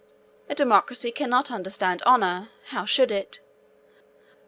A democracy cannot understand honour; how should it?